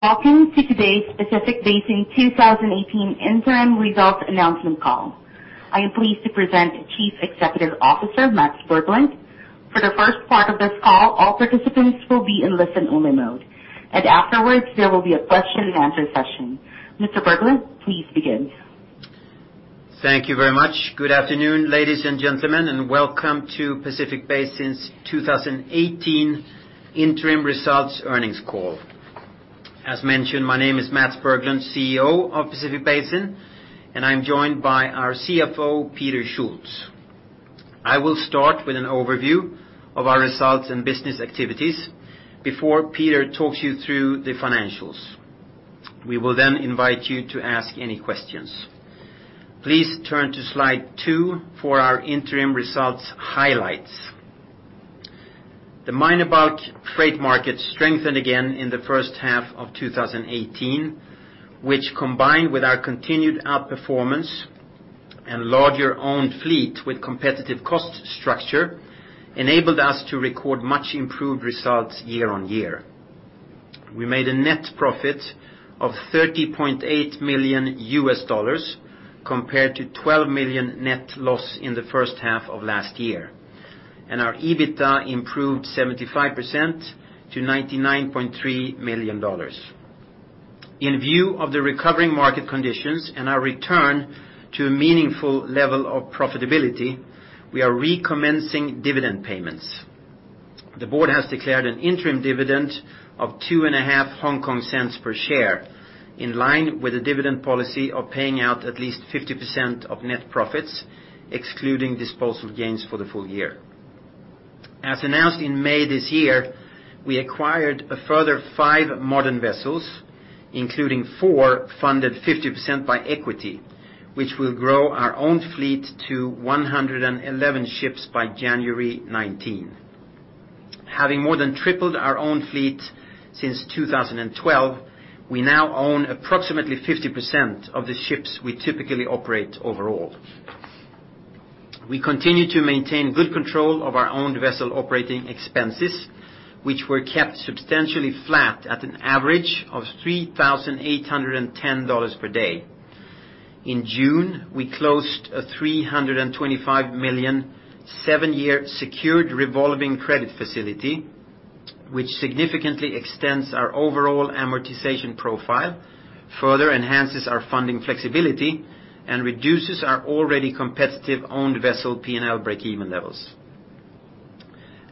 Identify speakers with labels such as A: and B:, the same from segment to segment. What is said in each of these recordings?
A: Welcome to today's Pacific Basin 2018 interim results announcement call. I am pleased to present Chief Executive Officer Mats Berglund. For the first part of this call, all participants will be in listen-only mode. Afterwards, there will be a question-and-answer session. Mr. Berglund, please begin.
B: Thank you very much. Good afternoon, ladies and gentlemen, welcome to Pacific Basin's 2018 interim results earnings call. As mentioned, my name is Mats Berglund, CEO of Pacific Basin, I'm joined by our CFO, Peter Schulz. I will start with an overview of our results and business activities before Peter talks you through the financials. We will invite you to ask any questions. Please turn to slide two for our interim results highlights. The minor bulks freight market strengthened again in the first half of 2018, which, combined with our continued outperformance and larger owned fleet with competitive cost structure, enabled us to record much improved results year on year. We made a net profit of $30.8 million, compared to a $12 million net loss in the first half of last year. Our EBITDA improved 75% to $99.3 million. In view of the recovering market conditions, our return to a meaningful level of profitability, we are recommencing dividend payments. The board has declared an interim dividend of two and a half Hong Kong cents per share, in line with the dividend policy of paying out at least 50% of net profits, excluding disposal gains for the full year. As announced in May this year, we acquired a further five modern vessels, including four funded 50% by equity, which will grow our own fleet to 111 ships by January 2019. Having more than tripled our own fleet since 2012, we now own approximately 50% of the ships we typically operate overall. We continue to maintain good control of our owned vessel operating expenses, which were kept substantially flat at an average of $3,810 per day. In June, we closed a $325 million, seven-year secured revolving credit facility, which significantly extends our overall amortization profile, further enhances our funding flexibility, reduces our already competitive owned vessel P&L breakeven levels.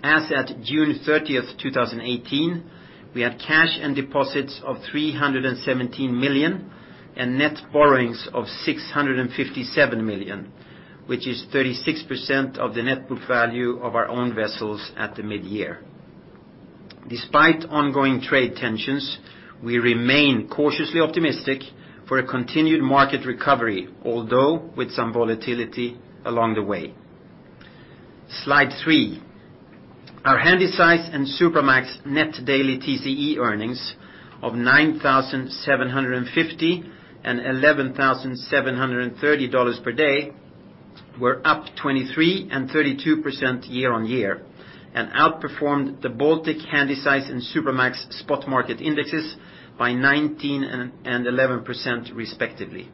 B: As at June 30th, 2018, we had cash and deposits of $317 million, net borrowings of $657 million, which is 36% of the net book value of our own vessels at the midyear. Despite ongoing trade tensions, we remain cautiously optimistic for a continued market recovery, although with some volatility along the way. Slide three. Our Handysize and Supramax net daily TCE earnings of $9,750 and $11,730 per day were up 23% and 32% year on year, outperformed the Baltic Handysize and Supramax spot market indexes by 19% and 11% respectively.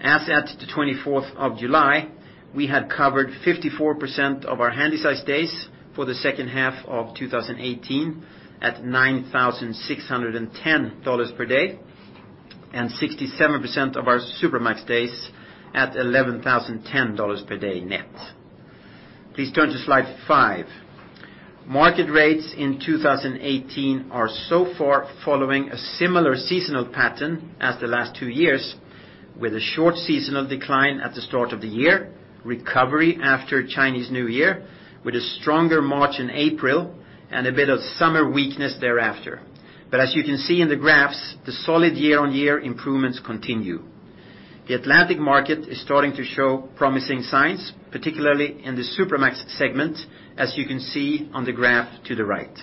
B: As at the 24th of July, we had covered 54% of our Handysize days for the second half of 2018 at $9,610 per day and 67% of our Supramax days at $11,010 per day net. Please turn to slide five. Market rates in 2018 are so far following a similar seasonal pattern as the last two years, with a short seasonal decline at the start of the year, recovery after Chinese New Year, with a stronger March and April, and a bit of summer weakness thereafter. As you can see in the graphs, the solid year-on-year improvements continue. The Atlantic market is starting to show promising signs, particularly in the Supramax segment, as you can see on the graph to the right.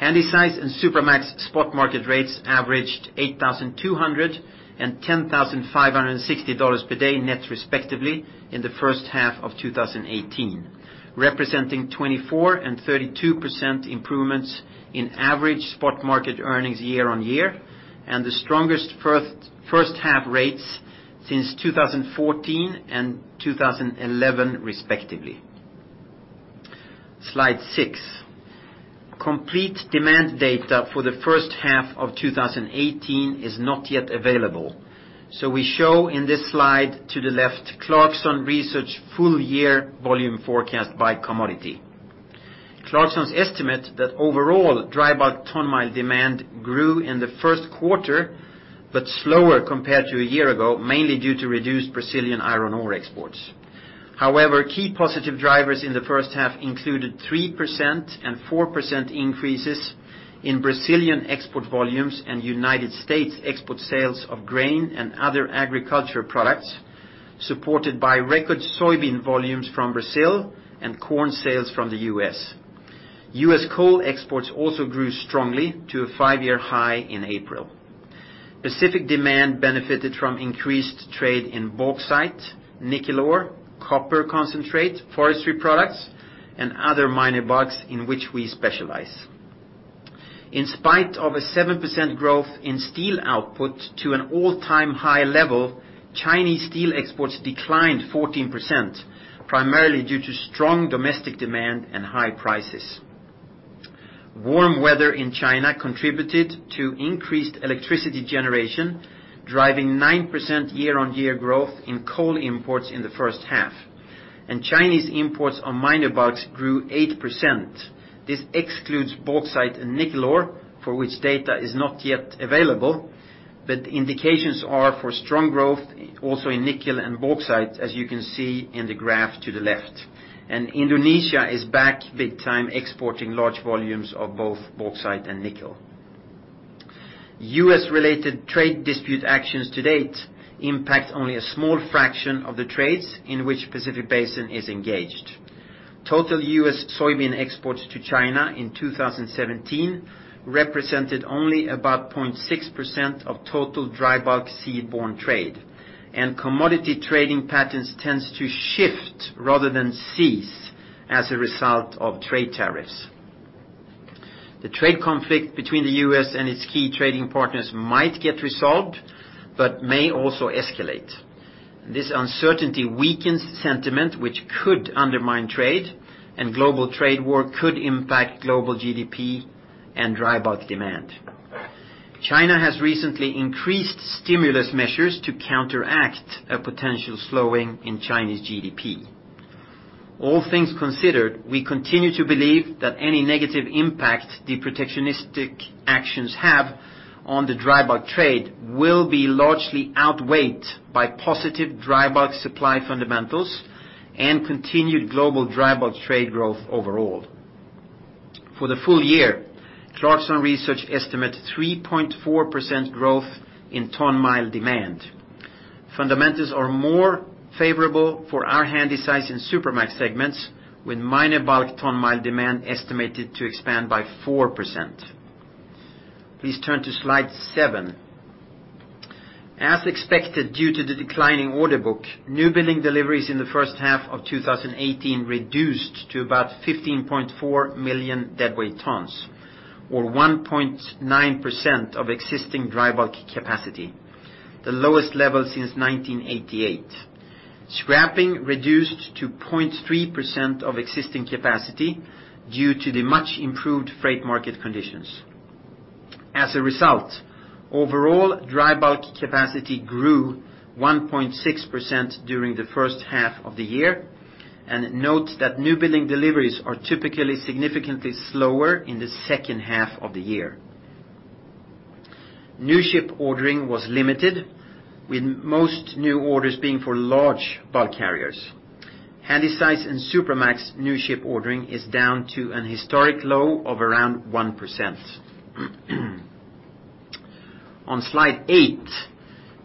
B: Handysize and Supramax spot market rates averaged $8,200 and $10,560 per day net respectively in the first half of 2018, representing 24% and 32% improvements in average spot market earnings year-on-year and the strongest first half rates since 2014 and 2011 respectively. Slide six. Complete demand data for the first half of 2018 is not yet available, we show in this slide to the left Clarksons Research full year volume forecast by commodity. Clarksons estimate that overall dry bulk ton-mile demand grew in the first quarter, slower compared to a year ago, mainly due to reduced Brazilian iron ore exports. However, key positive drivers in the first half included 3% and 4% increases in Brazilian export volumes and U.S. export sales of grain and other agriculture products, supported by record soybean volumes from Brazil and corn sales from the U.S. U.S. coal exports also grew strongly to a five-year high in April. Pacific demand benefited from increased trade in bauxite, nickel ore, copper concentrate, forestry products, and other minor bulks in which we specialize. In spite of a 7% growth in steel output to an all-time high level, Chinese steel exports declined 14%, primarily due to strong domestic demand and high prices. Warm weather in China contributed to increased electricity generation, driving 9% year-on-year growth in coal imports in the first half, Chinese imports of minor bulks grew 8%. This excludes bauxite and nickel ore, for which data is not yet available, indications are for strong growth also in nickel and bauxite as you can see in the graph to the left. Indonesia is back big time exporting large volumes of both bauxite and nickel. U.S. related trade dispute actions to date impact only a small fraction of the trades in which Pacific Basin is engaged. Total U.S. soybean exports to China in 2017 represented only about 0.6% of total dry bulk seaborne trade, commodity trading patterns tends to shift rather than cease as a result of trade tariffs. The trade conflict between the U.S. and its key trading partners might get resolved, may also escalate. This uncertainty weakens sentiment, which could undermine trade and global trade war could impact global GDP and dry bulk demand. China has recently increased stimulus measures to counteract a potential slowing in Chinese GDP. All things considered, we continue to believe that any negative impact the protectionistic actions have on the dry bulk trade will be largely outweighed by positive dry bulk supply fundamentals and continued global dry bulk trade growth overall. For the full year, Clarksons Research estimates 3.4% growth in ton-mile demand. Fundamentals are more favorable for our Handysize and Supramax segments, with minor bulks ton-mile demand estimated to expand by 4%. Please turn to slide seven. As expected, due to the declining order book, newbuilding deliveries in the first half of 2018 reduced to about 15.4 million deadweight tons, or 1.9% of existing dry bulk capacity, the lowest level since 1988. Scrapping reduced to 0.3% of existing capacity due to the much improved freight market conditions. As a result, overall dry bulk capacity grew 1.6% during the first half of the year, and note that newbuilding deliveries are typically significantly slower in the second half of the year. New ship ordering was limited, with most new orders being for large bulk carriers. Handysize and Supramax new ship ordering is down to an historic low of around 1%. On slide eight,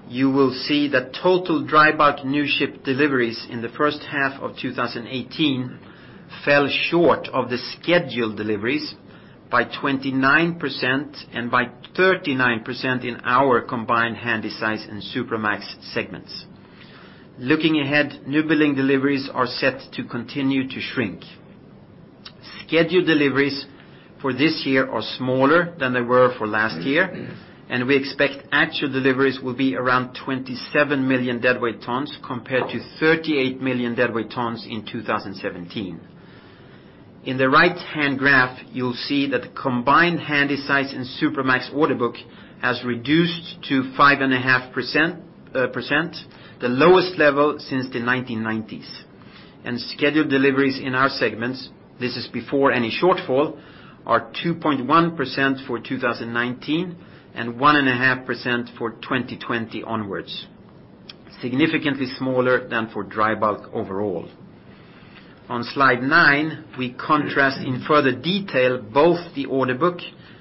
B: you will see that total dry bulk new ship deliveries in the first half of 2018 fell short of the scheduled deliveries by 29% and by 39% in our combined Handysize and Supramax segments. Looking ahead, newbuilding deliveries are set to continue to shrink. Scheduled deliveries for this year are smaller than they were for last year. We expect actual deliveries will be around 27 million deadweight tons compared to 38 million deadweight tons in 2017. In the right-hand graph, you'll see that the combined Handysize and Supramax order book has reduced to 5.5%, the lowest level since the 1990s. Scheduled deliveries in our segments, this is before any shortfall, are 2.1% for 2019 and 1.5% for 2020 onwards. Significantly smaller than for dry bulk overall. On slide nine, we contrast in further detail both the order book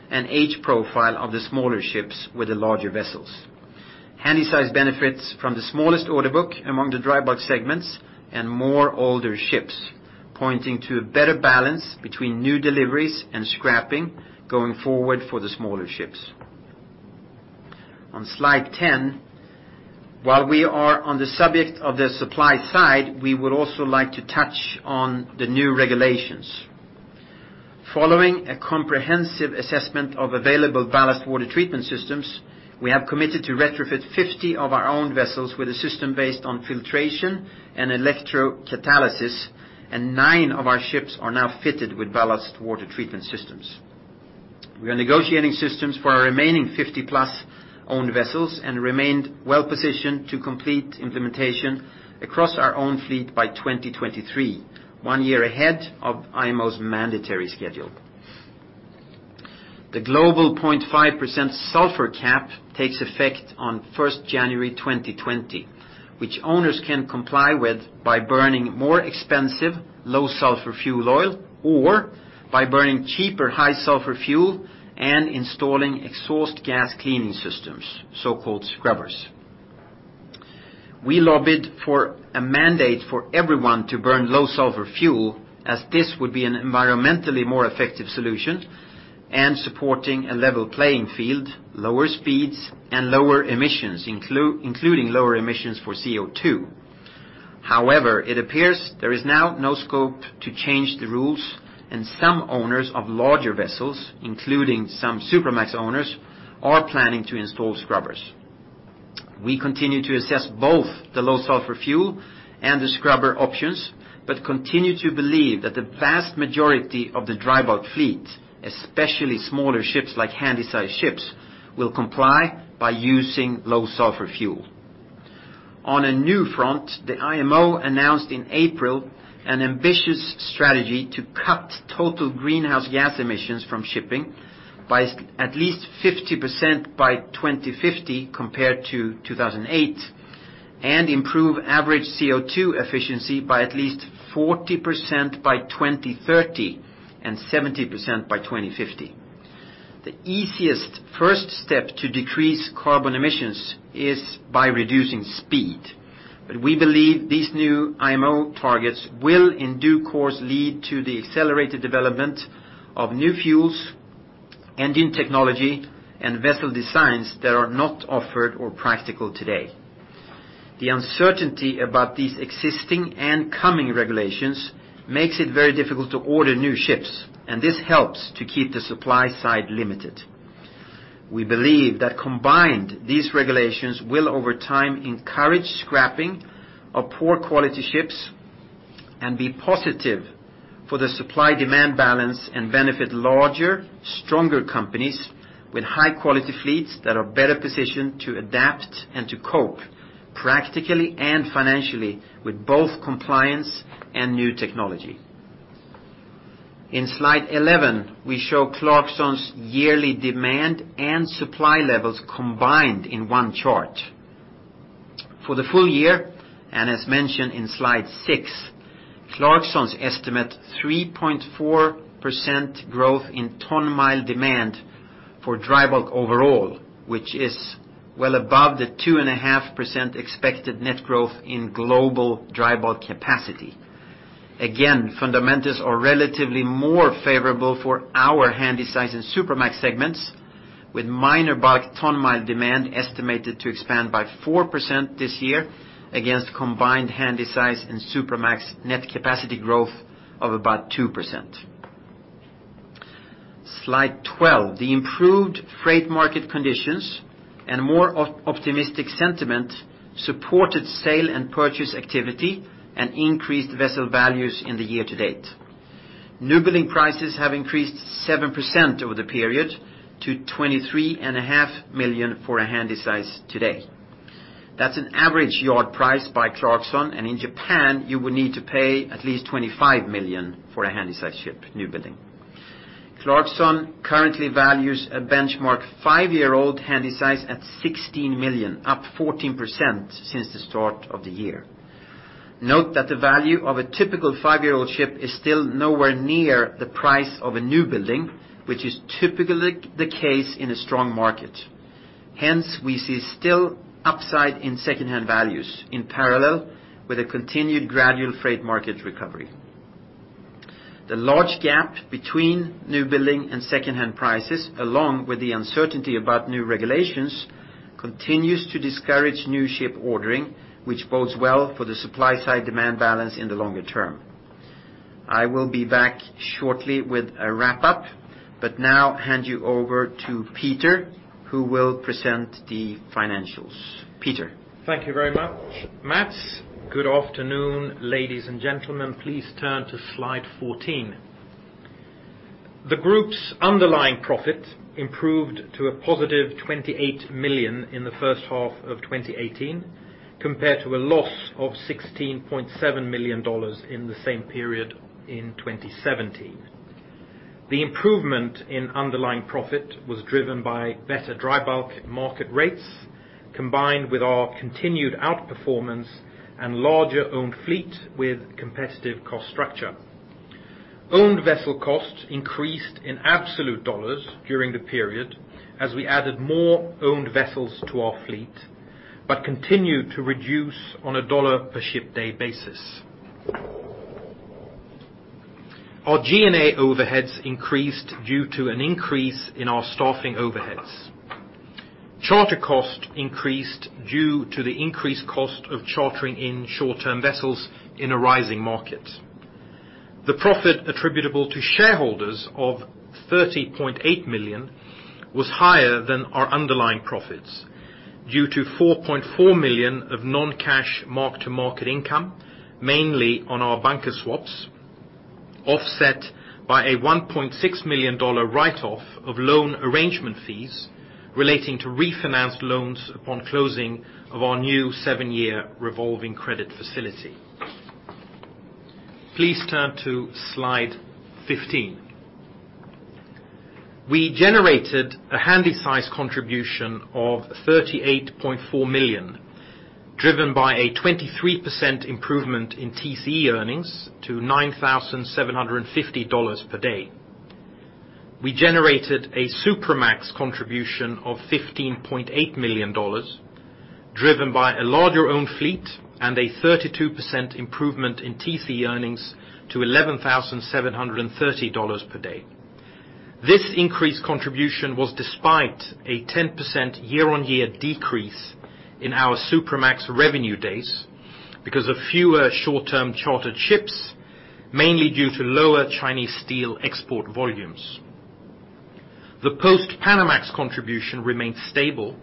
B: and age profile of the smaller ships with the larger vessels. Handysize benefits from the smallest order book among the dry bulk segments and more older ships, pointing to a better balance between new deliveries and scrapping going forward for the smaller ships. On slide 10, while we are on the subject of the supply side, we would also like to touch on the new regulations. Following a comprehensive assessment of available ballast water treatment systems, we have committed to retrofit 50 of our own vessels with a system based on filtration and electrocatalysis, and nine of our ships are now fitted with ballast water treatment systems. We are negotiating systems for our remaining 50-plus owned vessels and remained well-positioned to complete implementation across our own fleet by 2023, one year ahead of IMO's mandatory schedule. The global 0.5% sulfur cap takes effect on 1st January 2020, which owners can comply with by burning more expensive, low sulfur fuel oil or by burning cheaper high sulfur fuel and installing exhaust gas cleaning systems, so-called scrubbers. We lobbied for a mandate for everyone to burn low sulfur fuel, as this would be an environmentally more effective solution and supporting a level playing field, lower speeds, and lower emissions, including lower emissions for CO2. However, it appears there is now no scope to change the rules, and some owners of larger vessels, including some Supramax owners, are planning to install scrubbers. We continue to assess both the low sulfur fuel and the scrubber options, but continue to believe that the vast majority of the dry bulk fleet, especially smaller ships like Handysize ships, will comply by using low sulfur fuel. On a new front, the IMO announced in April an ambitious strategy to cut total greenhouse gas emissions from shipping by at least 50% by 2050 compared to 2008, and improve average CO2 efficiency by at least 40% by 2030, and 70% by 2050. The easiest first step to decrease carbon emissions is by reducing speed. We believe these new IMO targets will in due course lead to the accelerated development of new fuels, engine technology, and vessel designs that are not offered or practical today. The uncertainty about these existing and coming regulations makes it very difficult to order new ships, and this helps to keep the supply side limited. We believe that combined, these regulations will, over time, encourage scrapping of poor quality ships and be positive for the supply-demand balance and benefit larger, stronger companies with high-quality fleets that are better positioned to adapt and to cope, practically and financially, with both compliance and new technology. In slide 11, we show Clarksons' yearly demand and supply levels combined in one chart. For the full year, and as mentioned in slide six, Clarksons estimate 3.4% growth in ton-mile demand for dry bulk overall, which is well above the 2.5% expected net growth in global dry bulk capacity. Again, fundamentals are relatively more favorable for our Handysize and Supramax segments, with minor bulk ton-mile demand estimated to expand by 4% this year against combined Handysize and Supramax net capacity growth of about 2%. Slide 12. The improved freight market conditions and more optimistic sentiment supported sale and purchase activity and increased vessel values in the year to date. Newbuilding prices have increased 7% over the period to $23.5 million for a Handysize today. That's an average yard price by Clarksons, and in Japan, you would need to pay at least $25 million for a Handysize ship newbuilding. Clarksons currently values a benchmark five-year-old Handysize at $16 million, up 14% since the start of the year. Note that the value of a typical five-year-old ship is still nowhere near the price of a newbuilding, which is typically the case in a strong market. Hence, we see still upside in secondhand values in parallel with a continued gradual freight market recovery. The large gap between newbuilding and secondhand prices, along with the uncertainty about new regulations, continues to discourage new ship ordering, which bodes well for the supply side demand balance in the longer term. I will be back shortly with a wrap-up, now hand you over to Peter, who will present the financials. Peter.
C: Thank you very much, Mats. Good afternoon, ladies and gentlemen. Please turn to slide 14. The group's underlying profit improved to a positive $28 million in the first half of 2018, compared to a loss of $16.7 million in the same period in 2017. The improvement in underlying profit was driven by better dry bulk market rates, combined with our continued outperformance and larger owned fleet with competitive cost structure. Owned vessel costs increased in absolute dollars during the period as we added more owned vessels to our fleet, but continued to reduce on a dollar per ship day basis. Our G&A overheads increased due to an increase in our staffing overheads. Charter cost increased due to the increased cost of chartering in short-term vessels in a rising market. The profit attributable to shareholders of $30.8 million was higher than our underlying profits due to $4.4 million of non-cash mark-to-market income, mainly on our bunker swaps, offset by a $1.6 million write-off of loan arrangement fees relating to refinanced loans upon closing of our new seven-year revolving credit facility. Please turn to slide 15. We generated a Handysize contribution of $38.4 million, driven by a 23% improvement in TCE earnings to $9,750 per day. We generated a Supramax contribution of $15.8 million, driven by a larger owned fleet and a 32% improvement in TC earnings to $11,730 per day. This increased contribution was despite a 10% year-on-year decrease in our Supramax revenue days because of fewer short-term chartered ships, mainly due to lower Chinese steel export volumes. The Post-Panamax contribution remained stable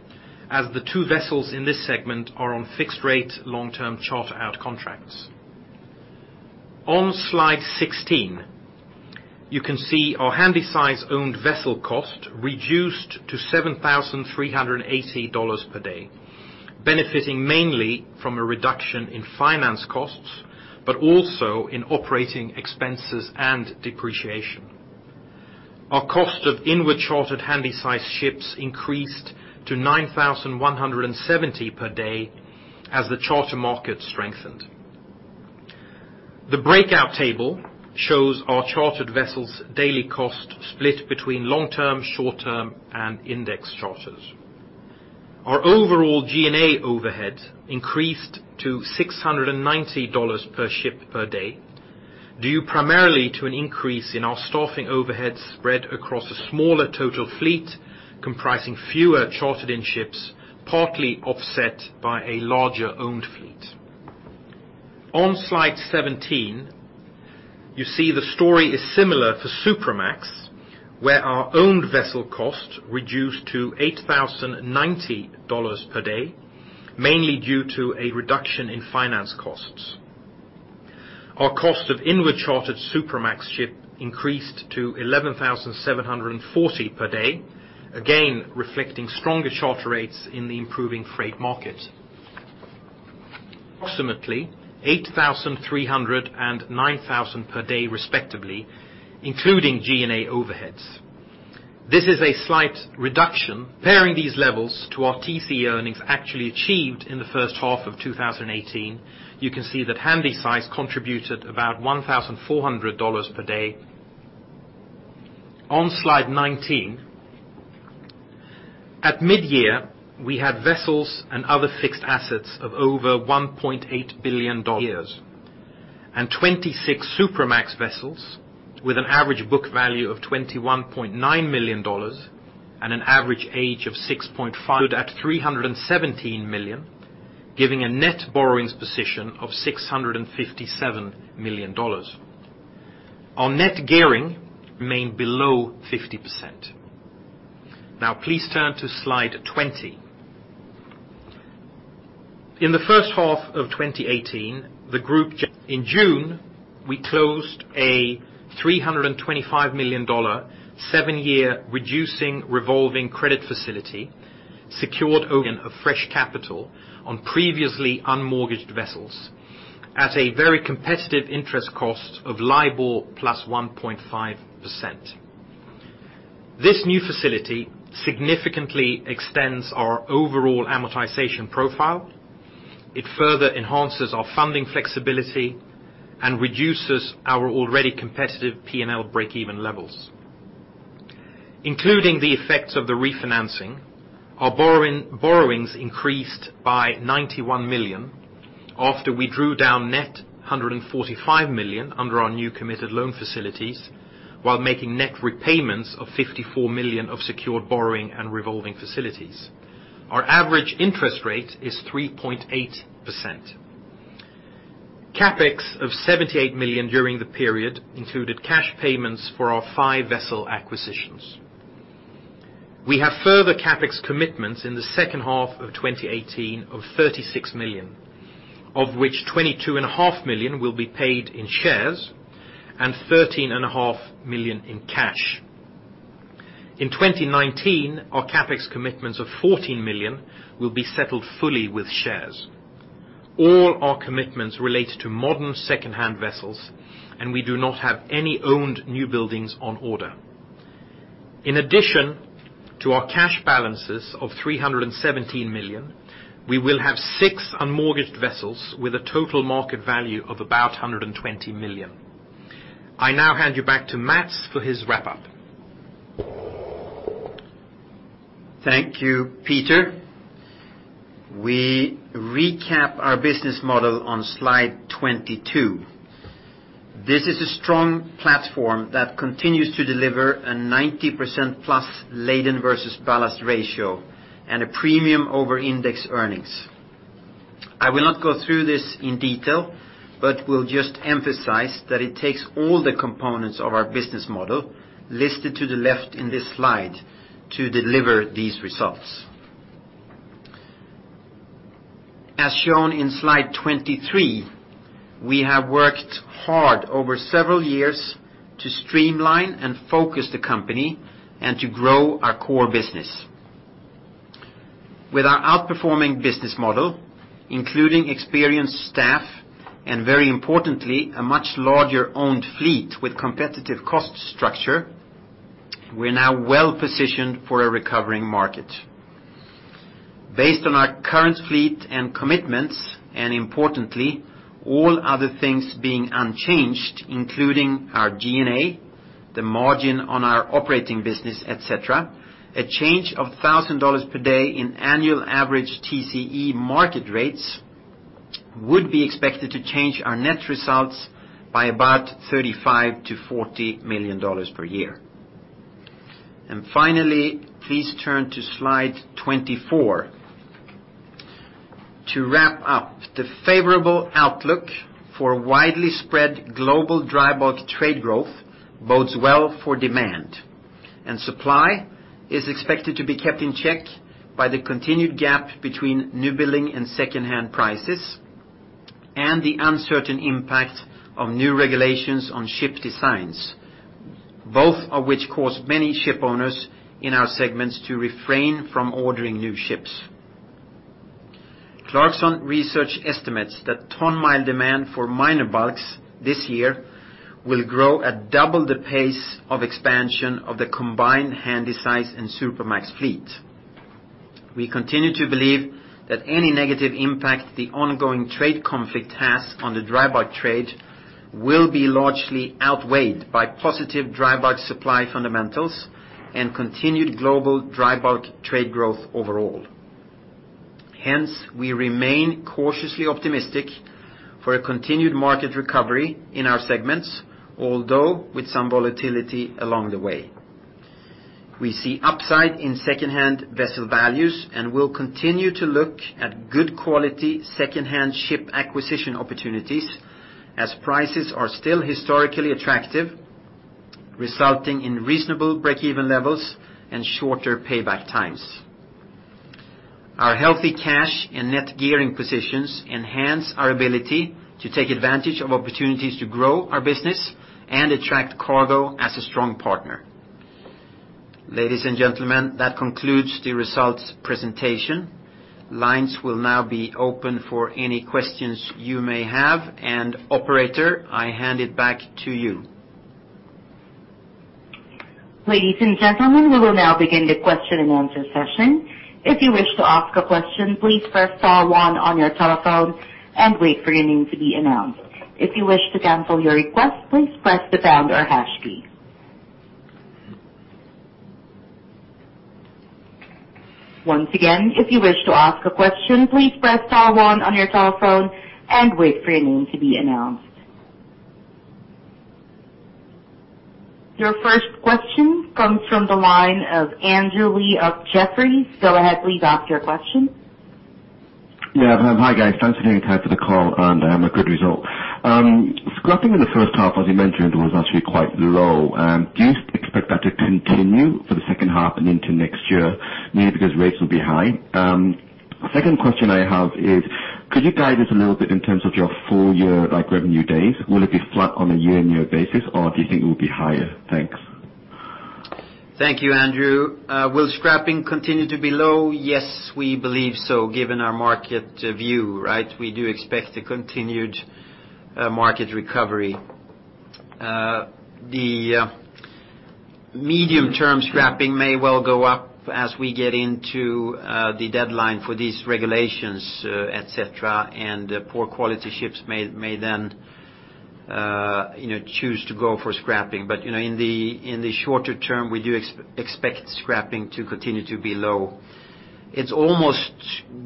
C: as the two vessels in this segment are on fixed-rate long-term charter out contracts. On slide 16, you can see our Handysize-owned vessel cost reduced to $7,380 per day, benefiting mainly from a reduction in finance costs, but also in operating expenses and depreciation. Our cost of inward chartered Handysize ships increased to $9,170 per day as the charter market strengthened. The breakout table shows our chartered vessels' daily cost split between long-term, short-term, and index charters. Our overall G&A overhead increased to $690 per ship per day, due primarily to an increase in our staffing overhead spread across a smaller total fleet comprising fewer chartered-in ships, partly offset by a larger owned fleet. On slide 17, you see the story is similar for Supramax, where our owned vessel cost reduced to $8,090 per day, mainly due to a reduction in finance costs. Our cost of inward chartered Supramax ship increased to $11,740 per day, again reflecting stronger charter rates in the improving freight market. Approximately $8,300 and $9,000 per day respectively, including G&A overheads. This is a slight reduction. Comparing these levels to our TC earnings actually achieved in the first half of 2018, you can see that Handysize contributed about $1,400 per day. On slide 19, at mid-year, we had vessels and other fixed assets of over $1.8 billion. 26 Supramax vessels with an average book value of $21.9 million and an average age of 6.5. Stood at $317 million, giving a net borrowings position of $657 million. Our net gearing remained below 50%. Please turn to slide 20. In the first half of 2018, in June, we closed a $325 million, seven-year reducing revolving credit facility secured of fresh capital on previously unmortgaged vessels at a very competitive interest cost of LIBOR plus 1.5%. This new facility significantly extends our overall amortization profile. It further enhances our funding flexibility and reduces our already competitive P&L breakeven levels. Including the effects of the refinancing, our borrowings increased by $91 million after we drew down net $145 million under our new committed loan facilities while making net repayments of $54 million of secured borrowing and revolving facilities. Our average interest rate is 3.8%. CapEx of $78 million during the period included cash payments for our five vessel acquisitions. We have further CapEx commitments in the second half of 2018 of $36 million, of which $22.5 million will be paid in shares and $13.5 million in cash. In 2019, our CapEx commitments of $14 million will be settled fully with shares. All our commitments relate to modern secondhand vessels, and we do not have any owned new buildings on order. In addition to our cash balances of $317 million, we will have six unmortgaged vessels with a total market value of about $120 million. I now hand you back to Mats for his wrap-up.
B: Thank you, Peter. We recap our business model on slide 22. This is a strong platform that continues to deliver a 90%-plus laden versus ballast ratio and a premium over index earnings. I will not go through this in detail, but will just emphasize that it takes all the components of our business model listed to the left in this slide to deliver these results. As shown in slide 23, we have worked hard over several years to streamline and focus the company and to grow our core business. With our outperforming business model, including experienced staff and very importantly, a much larger owned fleet with competitive cost structure, we are now well-positioned for a recovering market. Based on our current fleet and commitments, and importantly, all other things being unchanged, including our G&A, the margin on our operating business, et cetera, a change of $1,000 per day in annual average TCE market rates would be expected to change our net results by about $35 million-$40 million per year. Finally, please turn to slide 24. To wrap up, the favorable outlook for widely spread global dry bulk trade growth bodes well for demand. Supply is expected to be kept in check by the continued gap between new building and second-hand prices, and the uncertain impact of new regulations on ship designs, both of which cause many ship owners in our segments to refrain from ordering new ships. Clarksons Research estimates that ton-mile demand for minor bulks this year will grow at double the pace of expansion of the combined Handysize and Supramax fleet. We continue to believe that any negative impact the ongoing trade conflict has on the dry bulk trade will be largely outweighed by positive dry bulk supply fundamentals and continued global dry bulk trade growth overall. We remain cautiously optimistic for a continued market recovery in our segments, although with some volatility along the way. We see upside in second-hand vessel values and will continue to look at good quality second-hand ship acquisition opportunities as prices are still historically attractive, resulting in reasonable breakeven levels and shorter payback times. Our healthy cash and net gearing positions enhance our ability to take advantage of opportunities to grow our business and attract cargo as a strong partner. Ladies and gentlemen, that concludes the results presentation. Lines will now be open for any questions you may have. Operator, I hand it back to you.
A: Ladies and gentlemen, we will now begin the question and answer session. If you wish to ask a question, please press star one on your telephone and wait for your name to be announced. If you wish to cancel your request, please press the pound or hash key. Once again, if you wish to ask a question, please press star one on your telephone and wait for your name to be announced. Your first question comes from the line of Andrew Lee of Jefferies. Go ahead, Lee. You can ask your question.
D: Yeah. Hi, guys. Thanks again, Peter, for the call and a good result. Scrapping in the first half, as you mentioned, was actually quite low. Do you expect that to continue for the second half and into next year, mainly because rates will be high? Second question I have is, could you guide us a little bit in terms of your full year, like revenue days? Will it be flat on a year-on-year basis, or do you think it will be higher? Thanks.
B: Thank you, Andrew. Will scrapping continue to be low? Yes, we believe so, given our market view, right? We do expect a continued market recovery. The medium term scrapping may well go up as we get into the deadline for these regulations, et cetera, and poor quality ships may then choose to go for scrapping. In the shorter term, we do expect scrapping to continue to be low. It's almost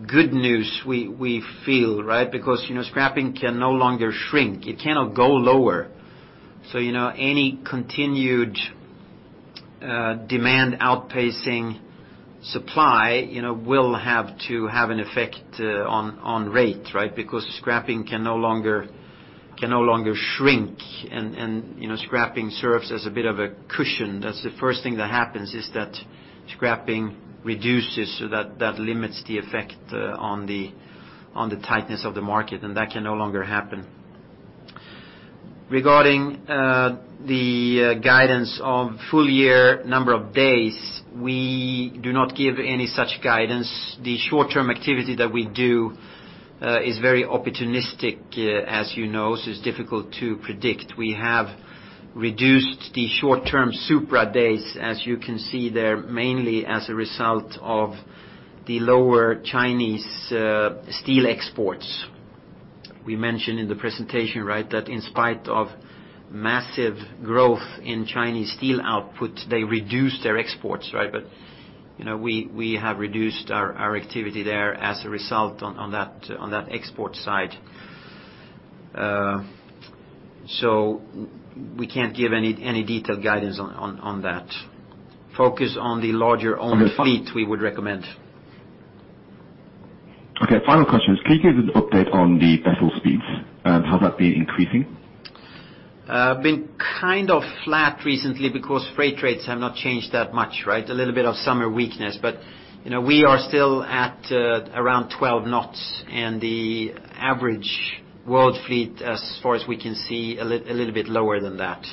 B: good news, we feel, right? Because scrapping can no longer shrink. It cannot go lower. So any continued demand outpacing supply will have to have an effect on rate, right? Because scrapping can no longer shrink. Scrapping serves as a bit of a cushion. That's the first thing that happens is that scrapping reduces, so that limits the effect on the tightness of the market, and that can no longer happen. Regarding the guidance of full year number of days, we do not give any such guidance. The short-term activity that we do is very opportunistic, as you know, so it's difficult to predict. We have reduced the short-term Supramax days, as you can see there, mainly as a result of the lower Chinese steel exports. We mentioned in the presentation, right, that in spite of massive growth in Chinese steel output, they reduced their exports, right? We have reduced our activity there as a result on that export side. We can't give any detailed guidance on that. Focus on the larger owned fleet-
D: Okay.
B: We would recommend.
D: Okay, final question. Can you give us an update on the vessel speeds? Has that been increasing?
B: Been kind of flat recently because freight rates have not changed that much, right? A little bit of summer weakness, we are still at around 12 knots and the average world fleet, as far as we can see, a little bit lower than that.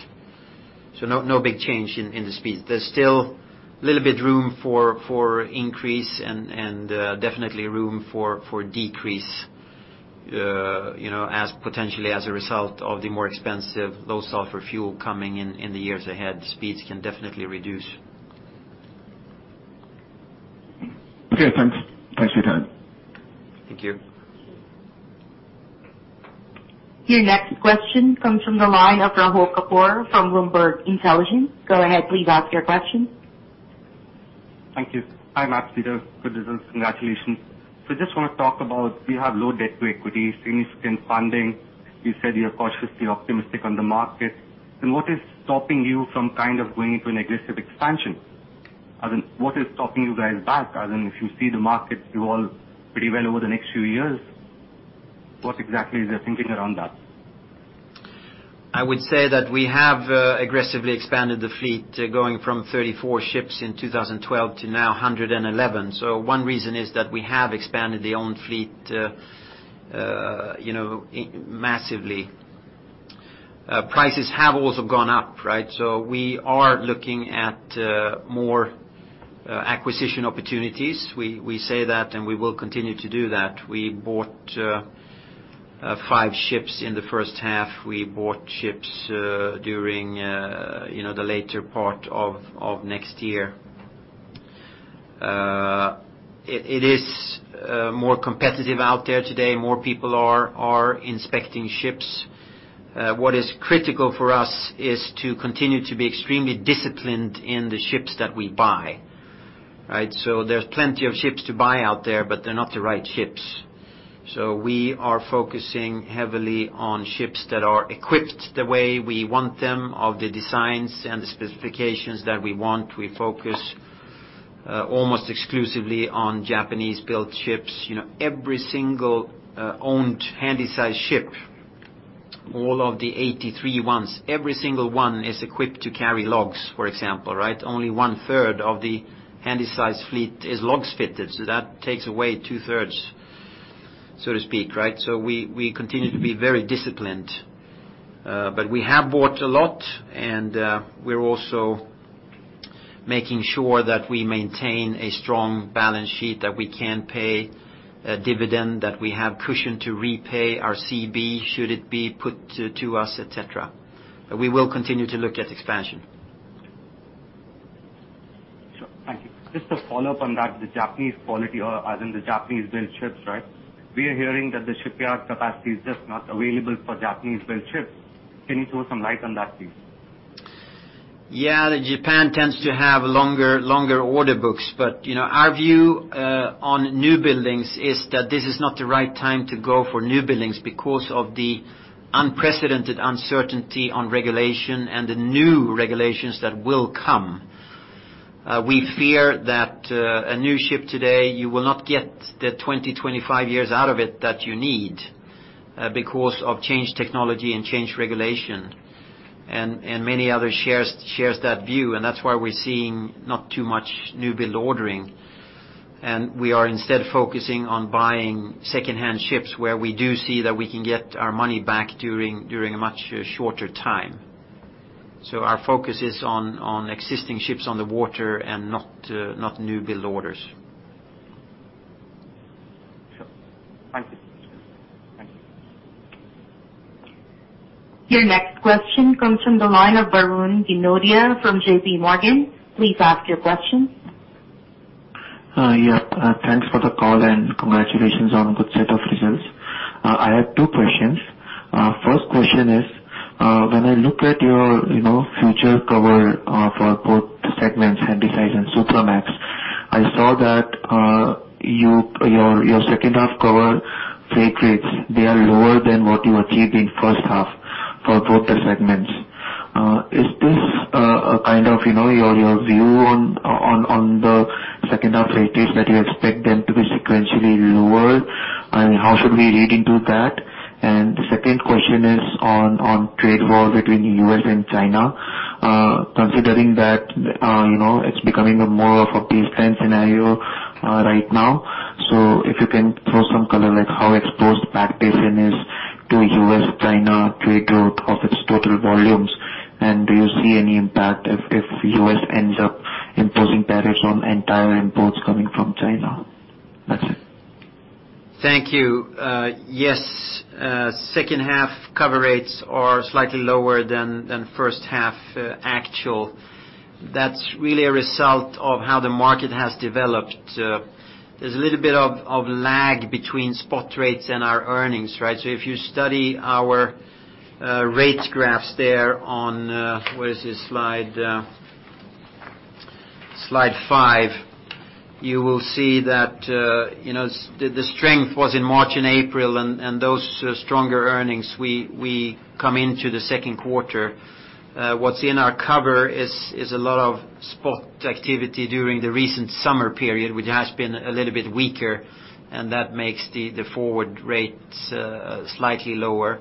B: No big change in the speed. There's still a little bit room for increase and definitely room for decrease As potentially as a result of the more expensive low sulfur fuel coming in the years ahead, speeds can definitely reduce.
D: Okay, thanks. Thanks for your time.
B: Thank you.
A: Your next question comes from the line of Rahul Kapoor from Bloomberg Intelligence. Go ahead, please ask your question.
E: Thank you. Hi, Mats Peter. Good results. Congratulations. Just want to talk about, we have low debt to equity, significant funding. You said you are cautiously optimistic on the market. What is stopping you from kind of going into an aggressive expansion? What is stopping you guys back? If you see the market do well pretty well over the next few years, what exactly is the thinking around that?
B: I would say that we have aggressively expanded the fleet, going from 34 ships in 2012 to now 111. One reason is that we have expanded the owned fleet massively. Prices have also gone up, right? We are looking at more acquisition opportunities. We say that, and we will continue to do that. We bought five ships in the first half. We bought ships during the later part of next year. It is more competitive out there today. More people are inspecting ships. What is critical for us is to continue to be extremely disciplined in the ships that we buy. Right? There's plenty of ships to buy out there, but they're not the right ships. We are focusing heavily on ships that are equipped the way we want them, of the designs and the specifications that we want. We focus almost exclusively on Japanese-built ships. Every single owned Handysize ship, all of the 83 ones, every single one is equipped to carry logs, for example, right? Only one third of the Handysize fleet is logs fitted, so that takes away two thirds, so to speak, right? We continue to be very disciplined. We have bought a lot, and we're also making sure that we maintain a strong balance sheet, that we can pay a dividend, that we have cushion to repay our CB should it be put to us, et cetera. We will continue to look at expansion.
E: Sure. Thank you. Just to follow up on that, the Japanese quality or as in the Japanese-built ships, right? We are hearing that the shipyard capacity is just not available for Japanese-built ships. Can you throw some light on that, please?
B: Yeah. Our view on newbuildings is that this is not the right time to go for newbuildings because of the unprecedented uncertainty on regulation and the new regulations that will come. We fear that a new ship today, you will not get the 20, 25 years out of it that you need because of changed technology and changed regulation. Many others shares that view, and that's why we're seeing not too much new build ordering. We are instead focusing on buying secondhand ships where we do see that we can get our money back during a much shorter time. Our focus is on existing ships on the water and not new build orders.
E: Sure. Thank you.
A: Your next question comes from the line of Varun Ginodia from JPMorgan. Please ask your question.
F: Hi. Yeah. Thanks for the call, and congratulations on a good set of results. I have two questions. First question is, when I look at your future cover for both segments, Handysize and Supramax, I saw that your second half cover freight rates, they are lower than what you achieved in first half for both the segments. Is this a kind of your view on the second half freight rates that you expect them to be sequentially lower? How should we read into that? The second question is on trade war between U.S. and China. Considering that it's becoming a more of a baseline scenario right now. So if you can throw some color like how exposed Pacific Basin is to U.S.-China trade route of its total volumes, and do you see any impact if U.S. ends up imposing tariffs on entire imports coming from China? That's it.
B: Thank you. Yes. Second half cover rates are slightly lower than first half actual. That's really a result of how the market has developed. There's a little bit of lag between spot rates and our earnings, right? If you study our rates graphs there on, where is the slide? Slide five, you will see that the strength was in March and April, and those stronger earnings, we come into the second quarter. What's in our cover is a lot of spot activity during the recent summer period, which has been a little bit weaker, and that makes the forward rates slightly lower.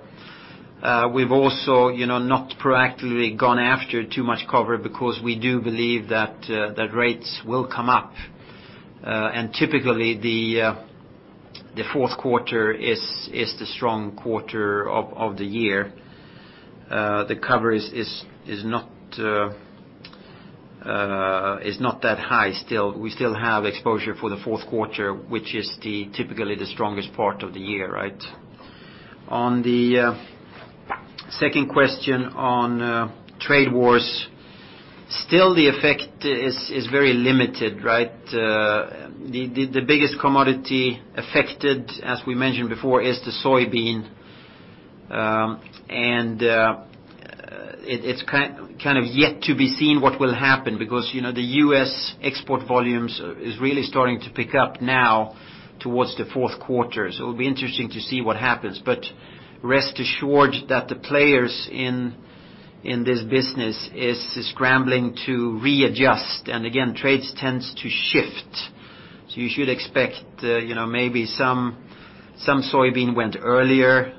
B: We've also not proactively gone after too much cover because we do believe that rates will come up. Typically, the fourth quarter is the strong quarter of the year. The cover is not that high still. We still have exposure for the fourth quarter, which is typically the strongest part of the year. On the second question on trade wars, still the effect is very limited. The biggest commodity affected, as we mentioned before, is the soybean. It's yet to be seen what will happen, because the U.S. export volumes is really starting to pick up now towards the fourth quarter. It will be interesting to see what happens. Rest assured that the players in this business is scrambling to readjust. Again, trades tends to shift. You should expect maybe some soybean went earlier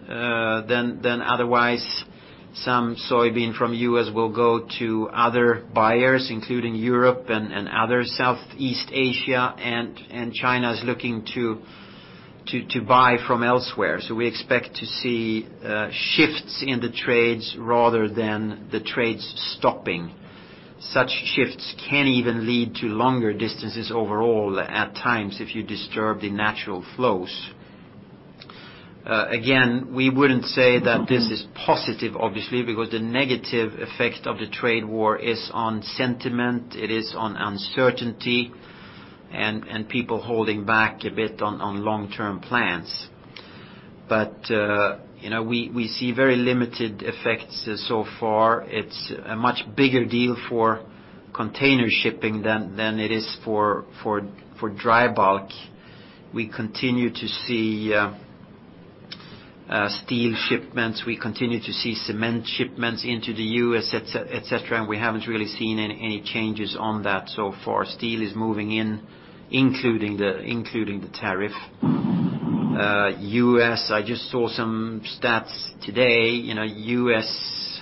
B: than otherwise. Some soybean from U.S. will go to other buyers, including Europe and other Southeast Asia, and China is looking to buy from elsewhere. We expect to see shifts in the trades rather than the trades stopping. Such shifts can even lead to longer distances overall at times if you disturb the natural flows. Again, we wouldn't say that this is positive, obviously, because the negative effect of the trade war is on sentiment, it is on uncertainty, and people holding back a bit on long-term plans. We see very limited effects so far. It's a much bigger deal for container shipping than it is for dry bulk. We continue to see steel shipments. We continue to see cement shipments into the U.S., et cetera, and we haven't really seen any changes on that so far. Steel is moving in, including the tariff. U.S., I just saw some stats today. U.S.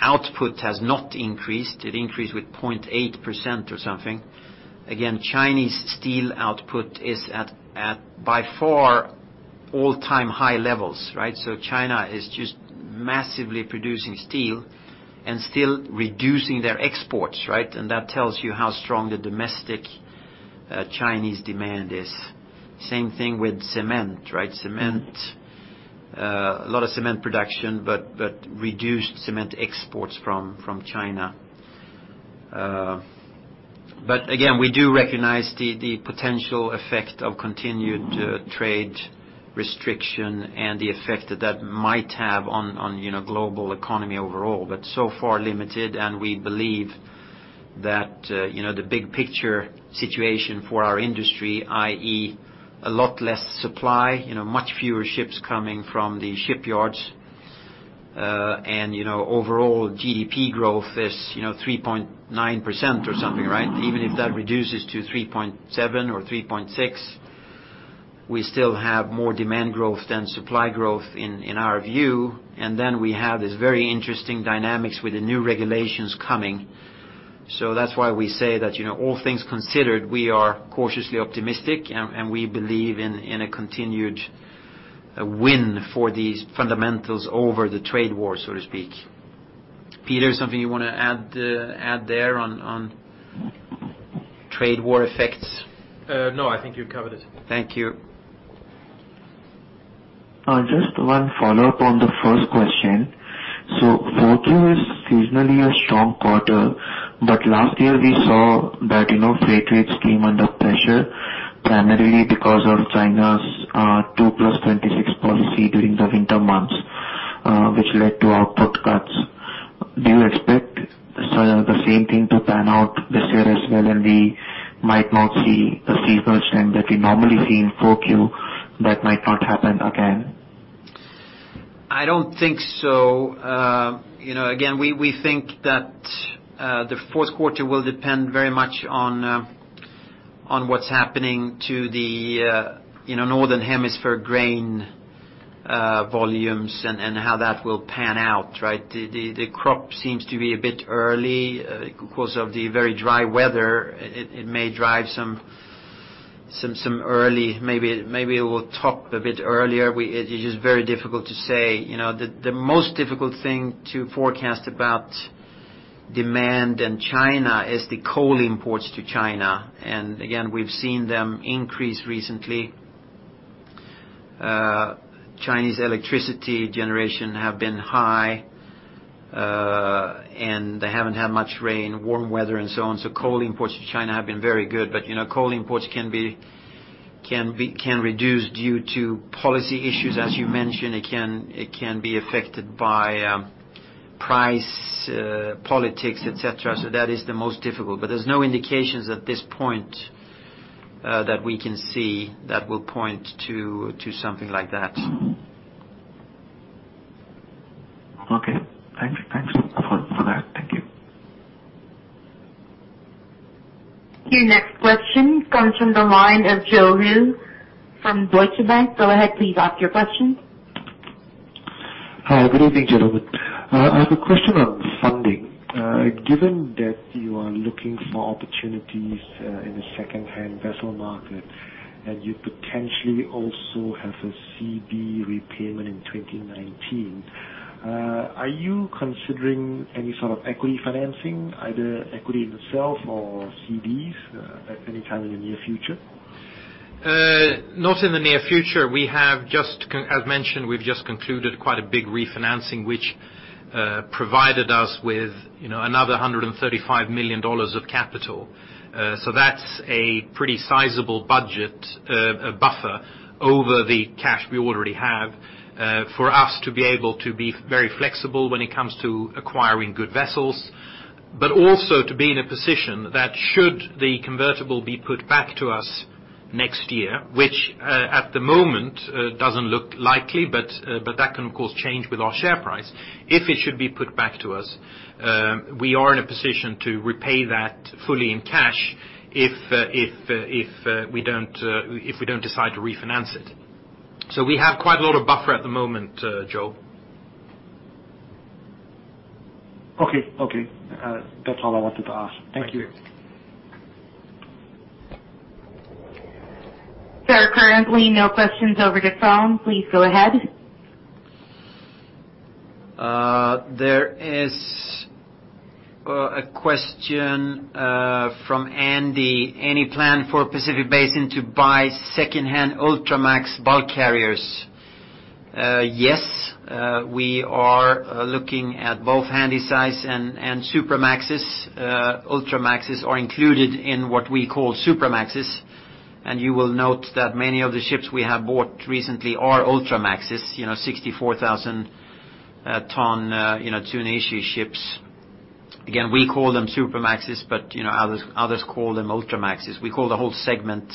B: output has not increased. It increased with 0.8% or something. Again, Chinese steel output is at, by far, all-time high levels. China is just massively producing steel and still reducing their exports. That tells you how strong the domestic Chinese demand is. Same thing with cement. A lot of cement production, but reduced cement exports from China. But again, we do recognize the potential effect of continued trade restriction and the effect that that might have on global economy overall, but so far limited. We believe that the big picture situation for our industry, i.e., a lot less supply, much fewer ships coming from the shipyards. Overall GDP growth is 3.9% or something. Even if that reduces to 3.7% or 3.6%, we still have more demand growth than supply growth in our view. We have this very interesting dynamics with the new regulations coming. That's why we say that all things considered, we are cautiously optimistic and we believe in a continued win for these fundamentals over the trade war, so to speak. Peter, something you want to add there on trade war effects?
C: No, I think you've covered it.
B: Thank you.
F: Just one follow-up on the first question. 4Q is seasonally a strong quarter, but last year we saw that freight rates came under pressure primarily because of China's 2+26 policy during the winter months, which led to output cuts. Do you expect the same thing to pan out this year as well, and we might not see a seasonal trend that we normally see in 4Q that might not happen again?
B: I don't think so. We think that the fourth quarter will depend very much on what's happening to the Northern Hemisphere grain volumes and how that will pan out. The crop seems to be a bit early because of the very dry weather. It may drive some early, maybe it will top a bit earlier. It is very difficult to say. The most difficult thing to forecast about demand in China is the coal imports to China. We've seen them increase recently. Chinese electricity generation have been high, and they haven't had much rain, warm weather and so on. Coal imports to China have been very good. Coal imports can reduce due to policy issues, as you mentioned. It can be affected by price politics, et cetera. That is the most difficult. There's no indications at this point that we can see that will point to something like that.
F: Okay. Thanks for that. Thank you.
A: Your next question comes from the line of Joseph Liu from Deutsche Bank. Go ahead, please ask your question.
G: Hi. Good evening, gentlemen. I have a question on funding. Given that you are looking for opportunities in the secondhand vessel market and you potentially also have a CB repayment in 2019, are you considering any sort of equity financing, either equity in itself or CBs, at any time in the near future?
B: Not in the near future. As mentioned, we've just concluded quite a big refinancing, which provided us with another $135 million of capital. That's a pretty sizable budget, a buffer over the cash we already have, for us to be able to be very flexible when it comes to acquiring good vessels, but also to be in a position that should the convertible be put back to us next year, which at the moment doesn't look likely, but that can, of course, change with our share price. If it should be put back to us, we are in a position to repay that fully in cash if we don't decide to refinance it. We have quite a lot of buffer at the moment, Joe.
G: Okay. That's all I wanted to ask. Thank you.
A: There are currently no questions over the phone. Please go ahead.
B: There is a question from Andy. Any plan for Pacific Basin to buy secondhand Ultramax bulk carriers? Yes. We are looking at both Handysize and Supramaxes. Ultramaxes are included in what we call Supramaxes. You will note that many of the ships we have bought recently are Ultramaxes, 64,000 deadweight tons ships. Again, we call them Supramaxes, but others call them Ultramaxes. We call the whole segment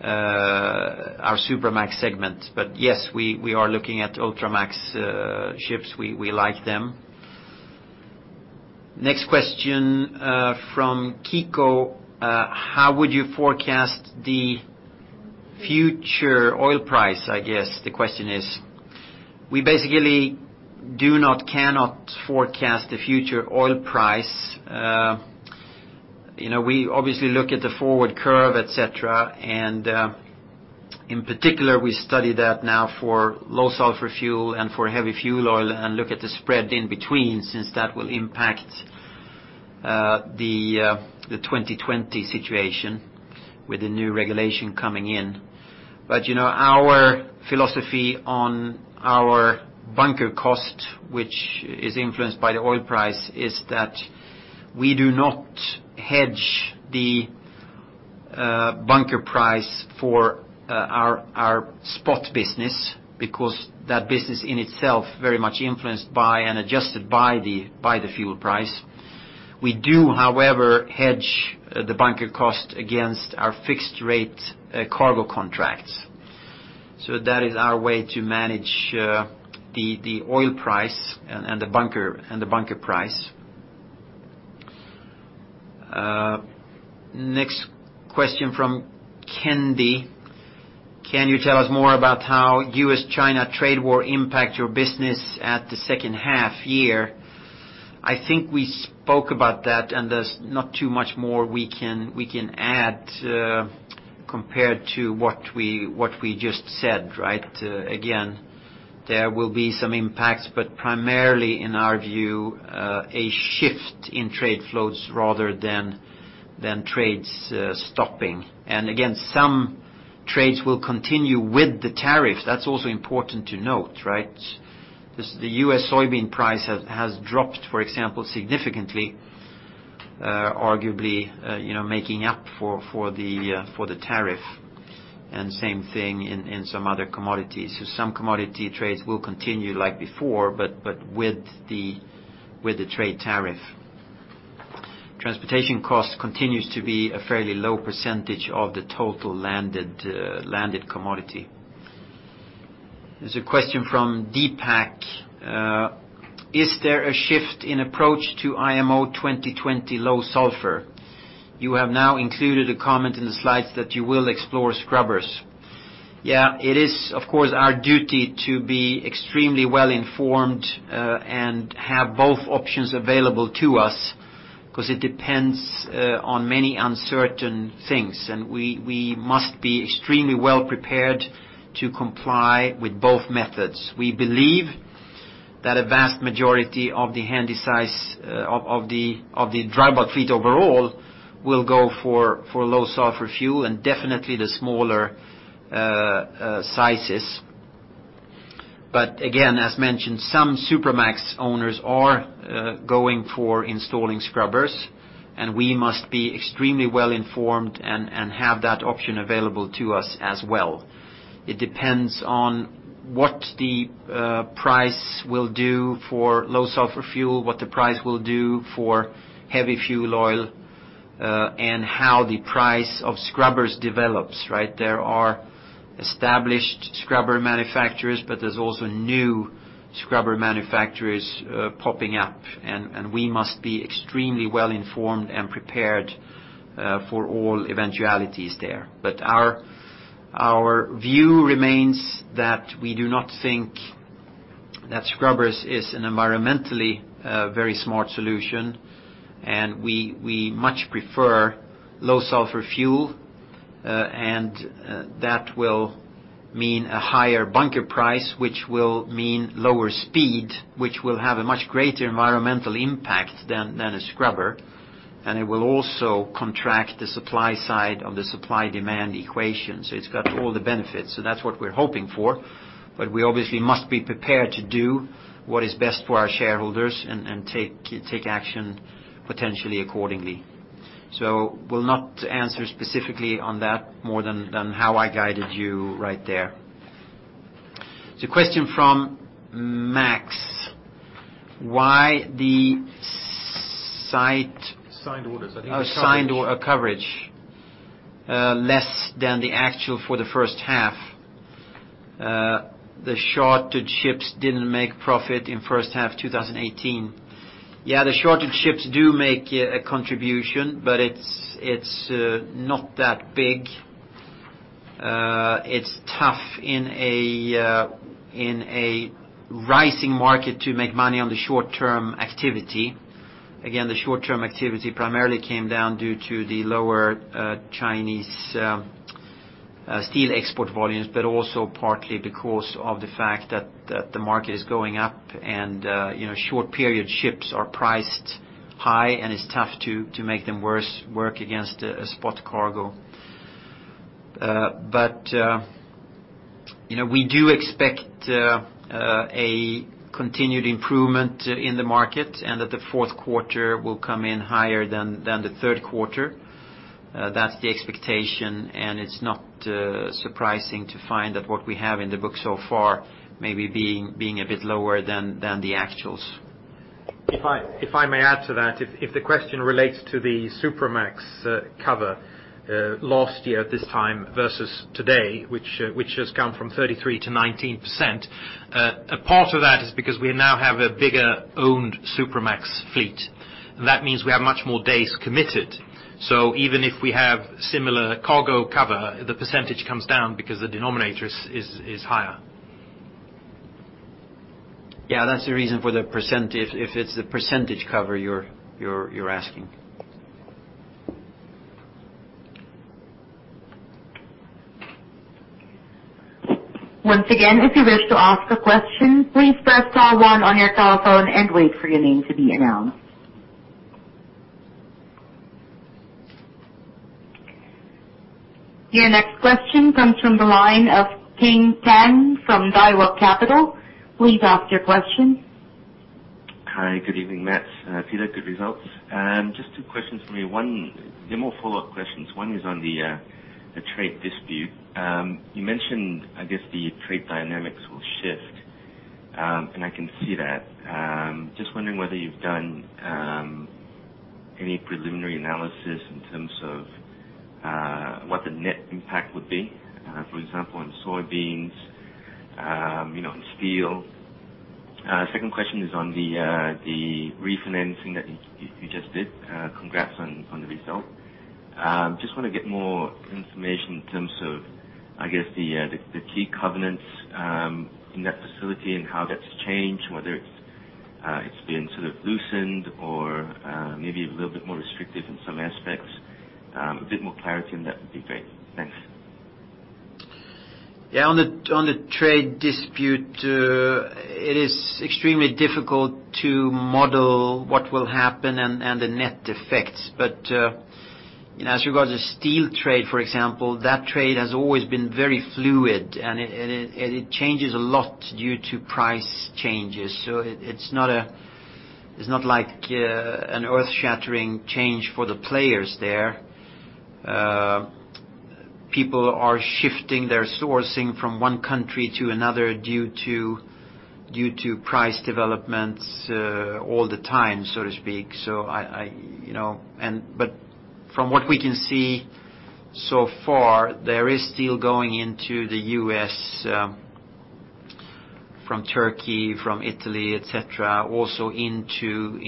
B: our Supramax segment. Yes, we are looking at Ultramax ships. We like them. Next question from Kiko. How would you forecast the future oil price, I guess, the question is. We basically cannot forecast the future oil price. We obviously look at the forward curve, et cetera. In particular, we study that now for low sulfur fuel and for heavy fuel oil and look at the spread in between since that will impact the 2020 situation with the new regulation coming in. Our philosophy on our bunker cost, which is influenced by the oil price, is that we do not hedge the bunker price for our spot business because that business in itself very much influenced by and adjusted by the fuel price. We do, however, hedge the bunker cost against our fixed rate cargo contracts. That is our way to manage the oil price and the bunker price. Next question from Kendy. Can you tell us more about how U.S.-China trade war impact your business at the second half year? I think we spoke about that, and there's not too much more we can add compared to what we just said, right? Again, there will be some impacts, but primarily in our view, a shift in trade flows rather than trades stopping. Again, some trades will continue with the tariff. That's also important to note, right? The U.S. soybean price has dropped, for example, significantly, arguably making up for the tariff, and same thing in some other commodities. Some commodity trades will continue like before, but with the trade tariff. Transportation cost continues to be a fairly low percentage of the total landed commodity. There's a question from Deepak. Is there a shift in approach to IMO 2020 low sulfur? You have now included a comment in the slides that you will explore scrubbers. Yeah, it is, of course, our duty to be extremely well-informed and have both options available to us because it depends on many uncertain things, and we must be extremely well prepared to comply with both methods. We believe that a vast majority of the dry bulk fleet overall will go for low sulfur fuel, and definitely the smaller sizes. Again, as mentioned, some Supramax owners are going for installing scrubbers, and we must be extremely well informed and have that option available to us as well. It depends on what the price will do for low sulfur fuel, what the price will do for heavy fuel oil, and how the price of scrubbers develops, right? There are established scrubber manufacturers, but there's also new scrubber manufacturers popping up, and we must be extremely well informed and prepared for all eventualities there. Our view remains that we do not think that scrubbers is an environmentally very smart solution, and we much prefer low sulfur fuel. That will mean a higher bunker price, which will mean lower speed, which will have a much greater environmental impact than a scrubber. It will also contract the supply side of the supply-demand equation. It's got all the benefits. That's what we're hoping for. We obviously must be prepared to do what is best for our shareholders and take action potentially accordingly. We'll not answer specifically on that more than how I guided you right there. There's a question from Max. Why the signed orders?
C: Signed orders. I think it's coverage.
B: Signed or coverage less than the actual for the first half. The chartered ships didn't make profit in first half 2018. The charted ships do make a contribution, but it's not that big. It's tough in a rising market to make money on the short-term activity. Again, the short-term activity primarily came down due to the lower Chinese steel export volumes, but also partly because of the fact that the market is going up and short period ships are priced high, and it's tough to make them work against a spot cargo. We do expect a continued improvement in the market, and that the fourth quarter will come in higher than the third quarter. That's the expectation, and it's not surprising to find that what we have in the book so far may be being a bit lower than the actuals.
C: If I may add to that, if the question relates to the Supramax cover, last year at this time versus today, which has gone from 33% to 19%, a part of that is because we now have a bigger owned Supramax fleet. That means we have much more days committed. Even if we have similar cargo cover, the percentage comes down because the denominator is higher.
B: Yeah, that's the reason for the %, if it's the % cover you're asking.
A: Once again, if you wish to ask a question, please press star one on your telephone and wait for your name to be announced. Your next question comes from the line of King Tan from Daiwa Capital. Please ask your question.
H: Hi, good evening. Mats and Peter, good results. Just two questions for me. They're more follow-up questions. One is on the trade dispute. You mentioned, I guess, the trade dynamics will shift, and I can see that. Just wondering whether you've done any preliminary analysis in terms of what the net impact would be, for example, on soybeans, on steel. Second question is on the refinancing that you just did. Congrats on the result. Just want to get more information in terms of, I guess, the key covenants in that facility and how that's changed, whether it's been sort of loosened or maybe a little bit more restrictive in some aspects. A bit more clarity on that would be great. Thanks.
B: Yeah, on the trade dispute, it is extremely difficult to model what will happen and the net effects. As regards to steel trade, for example, that trade has always been very fluid, and it changes a lot due to price changes. It's not like an earth-shattering change for the players there. People are shifting their sourcing from one country to another due to price developments all the time, so to speak. From what we can see so far, there is steel going into the U.S. from Turkey, from Italy, et cetera, also into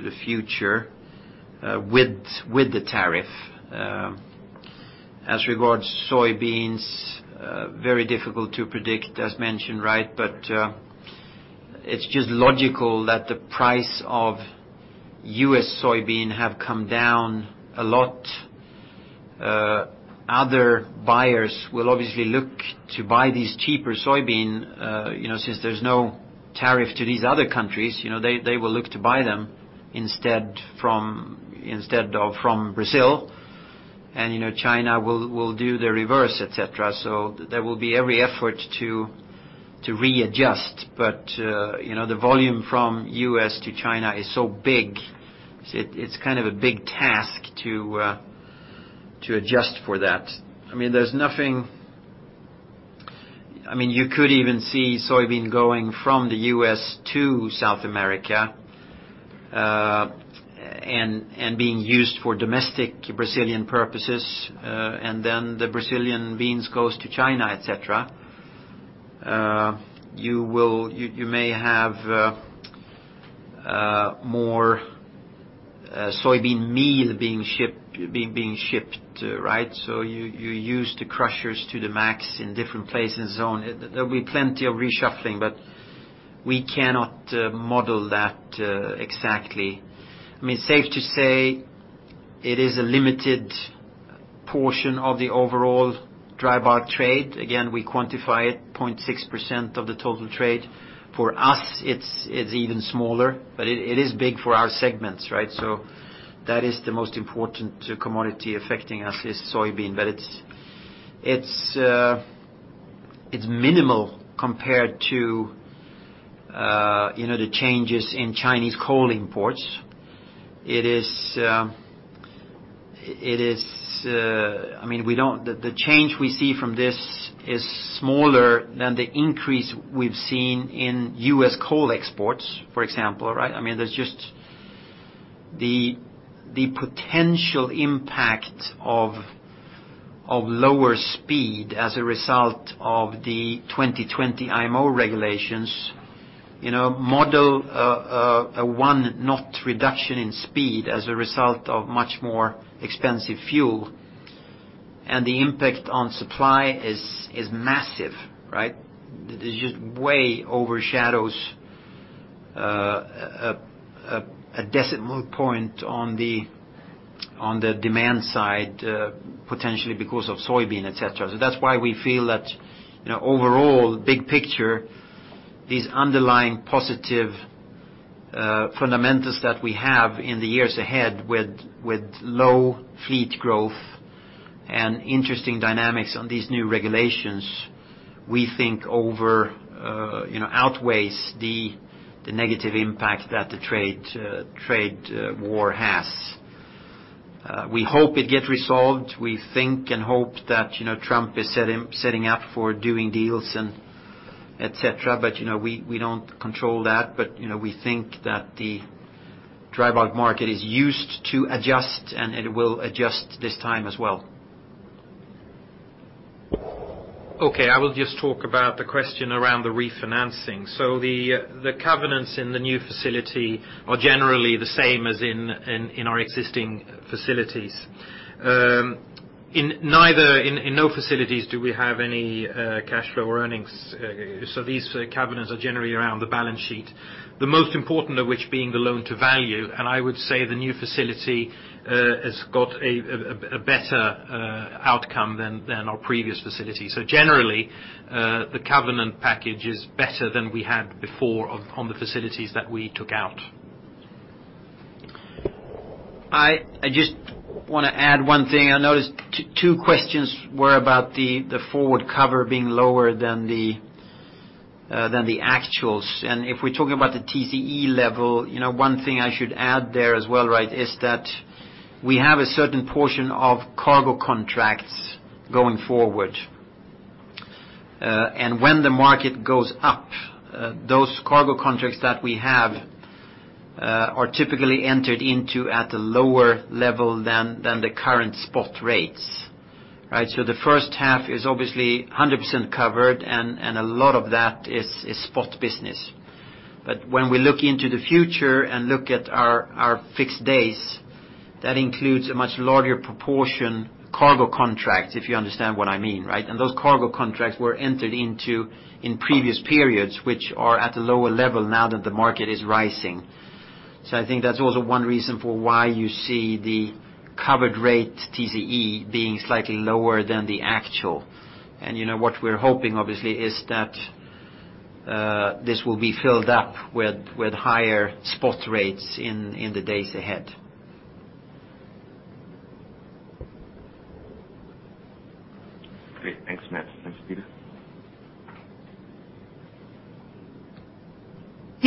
B: the future with the tariff. As regards soybeans, very difficult to predict as mentioned, right? It's just logical that the price of U.S. soybean have come down a lot. Other buyers will obviously look to buy these cheaper soybean, since there's no tariff to these other countries. They will look to buy them instead of from Brazil. China will do the reverse, et cetera. There will be every effort to readjust, but the volume from U.S. to China is so big. It's kind of a big task to adjust for that. You could even see soybean going from the U.S. to South America, and being used for domestic Brazilian purposes. The Brazilian beans goes to China, et cetera. You may have more soybean meal being shipped, right? You use the crushers to the max in different places. There will be plenty of reshuffling, but we cannot model that exactly. Safe to say, it is a limited portion of the overall dry bulk trade. Again, we quantify it, 0.6% of the total trade. For us, it's even smaller, but it is big for our segments, right? That is the most important commodity affecting us, is soybean. It's minimal compared to the changes in Chinese coal imports. The change we see from this is smaller than the increase we've seen in U.S. coal exports, for example, right? The potential impact of lower speed as a result of the 2020 IMO regulations, model a 1 knot reduction in speed as a result of much more expensive fuel, and the impact on supply is massive, right? It just way overshadows a decimal point on the demand side, potentially because of soybean, et cetera. That's why we feel that overall, big picture, these underlying positive fundamentals that we have in the years ahead with low fleet growth and interesting dynamics on these new regulations, we think outweighs the negative impact that the trade war has. We hope it gets resolved. We think and hope that Trump is setting up for doing deals, et cetera. We don't control that. We think that the dry bulk market is used to adjust, and it will adjust this time as well.
C: I will just talk about the question around the refinancing. The covenants in the new facility are generally the same as in our existing facilities. In no facilities do we have any cash flow earnings. These covenants are generally around the balance sheet, the most important of which being the loan to value. I would say the new facility has got a better outcome than our previous facility. Generally, the covenant package is better than we had before on the facilities that we took out.
B: I just want to add one thing. I noticed two questions were about the forward cover being lower than the actuals. If we're talking about the TCE level, one thing I should add there as well is that we have a certain portion of cargo contracts going forward. When the market goes up, those cargo contracts that we have are typically entered into at a lower level than the current spot rates. Right? The first half is obviously 100% covered, and a lot of that is spot business. When we look into the future and look at our fixed days, that includes a much larger proportion cargo contract, if you understand what I mean, right? Those cargo contracts were entered into in previous periods, which are at a lower level now that the market is rising. I think that's also one reason for why you see the covered rate TCE being slightly lower than the actual. What we're hoping, obviously, is that this will be filled up with higher spot rates in the days ahead.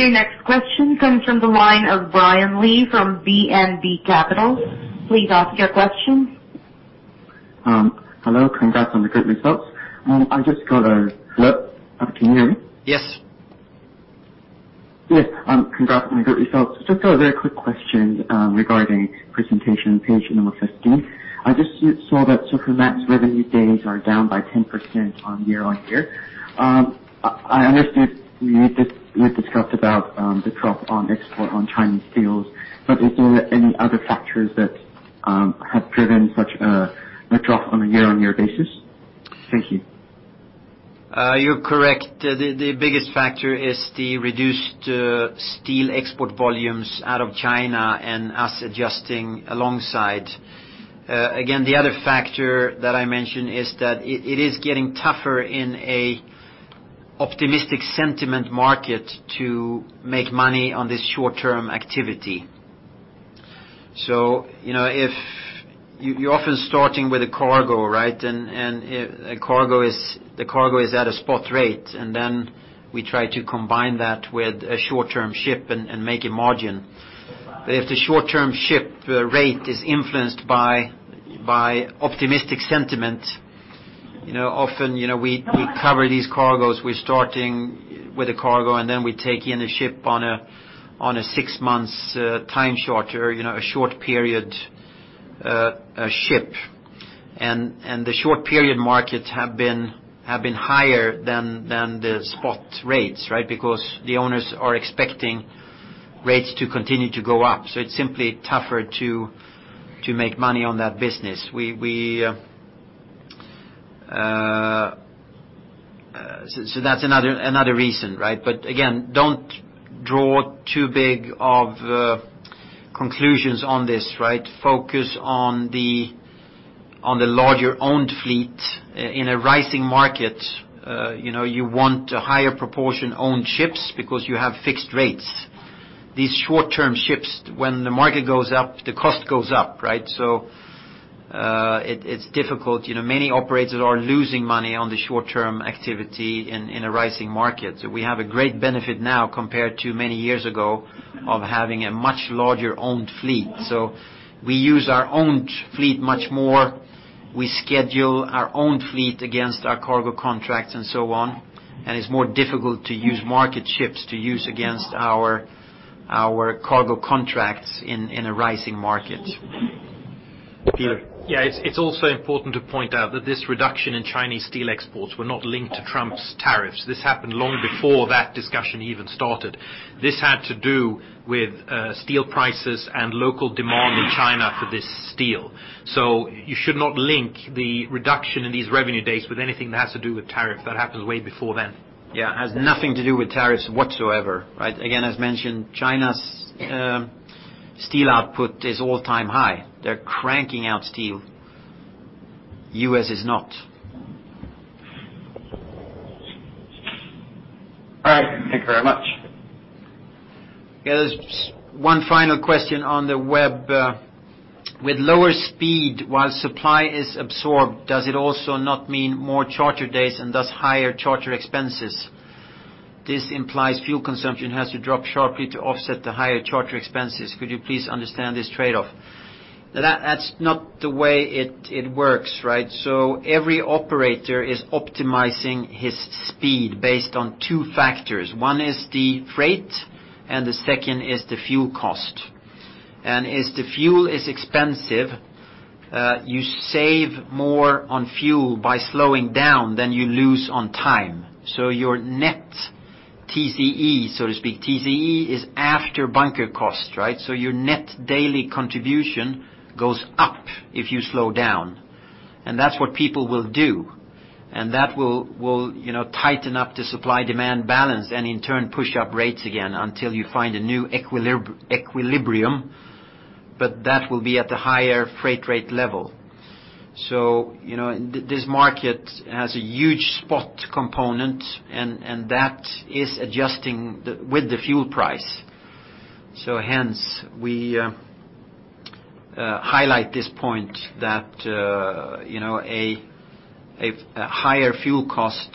H: Great. Thanks, Mats. Thanks, Peter.
A: Your next question comes from the line of Brian Lee from BMB Capital. Please ask your question.
I: Hello. Congrats on the great results. Hello, can you hear me?
B: Yes.
I: Yes. Congrats on the great results. Just a very quick question regarding presentation page number 15. I just saw that Supramax's revenue days are down by 10% on year-over-year. Is there any other factors that have driven such a drop on a year-on-year basis? Thank you.
B: You're correct. The biggest factor is the reduced steel export volumes out of China and us adjusting alongside. Again, the other factor that I mentioned is that it is getting tougher in an optimistic sentiment market to make money on this short-term activity. You're often starting with a cargo, right? The cargo is at a spot rate, we try to combine that with a short-term ship and make a margin. If the short-term ship rate is influenced by optimistic sentiment, often we cover these cargoes. We're starting with a cargo, we take in a ship on a six months time charter, a short period ship. The short period markets have been higher than the spot rates, right? Because the owners are expecting rates to continue to go up. It's simply tougher to make money on that business. That's another reason, right? Again, don't draw too big of conclusions on this. Focus on the larger owned fleet in a rising market. You want a higher proportion owned ships because you have fixed rates. These short-term ships, when the market goes up, the cost goes up, right? It's difficult. Many operators are losing money on the short-term activity in a rising market. We have a great benefit now compared to many years ago of having a much larger owned fleet. We use our owned fleet much more. We schedule our owned fleet against our cargo contracts and so on, and it's more difficult to use market ships to use against our cargo contracts in a rising market. Peter?
C: Yeah. It's also important to point out that this reduction in Chinese steel exports were not linked to Trump's tariffs. This happened long before that discussion even started. This had to do with steel prices and local demand in China for this steel. You should not link the reduction in these revenue days with anything that has to do with tariff. That happened way before then.
B: Yeah. It has nothing to do with tariffs whatsoever, right? Again, as mentioned, China's steel output is all-time high. They're cranking out steel. U.S. is not.
I: All right. Thank you very much.
B: Yeah. There's one final question on the web. With lower speed while supply is absorbed, does it also not mean more charter days and thus higher charter expenses? This implies fuel consumption has to drop sharply to offset the higher charter expenses. Could you please understand this trade-off? That's not the way it works, right? Every operator is optimizing his speed based on two factors. One is the freight, and the second is the fuel cost. As the fuel is expensive, you save more on fuel by slowing down than you lose on time. Your net TCE, so to speak, TCE is after bunker cost, right? Your net daily contribution goes up if you slow down. That's what people will do. That will tighten up the supply-demand balance, in turn, push up rates again until you find a new equilibrium, but that will be at the higher freight rate level. This market has a huge spot component, and that is adjusting with the fuel price. Hence, we highlight this point that a higher fuel cost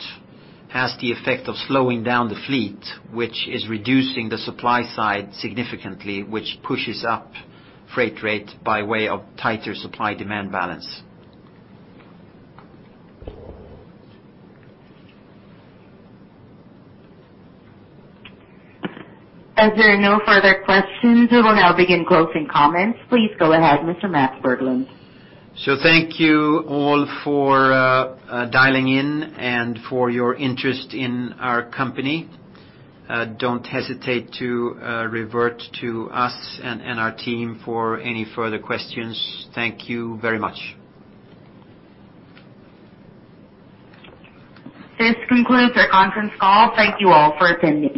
B: has the effect of slowing down the fleet, which is reducing the supply side significantly, which pushes up freight rate by way of tighter supply-demand balance.
A: As there are no further questions, we will now begin closing comments. Please go ahead, Mr. Mats Berglund.
B: Thank you all for dialing in and for your interest in our company. Don't hesitate to revert to us and our team for any further questions. Thank you very much.
A: This concludes our conference call. Thank you all for attending.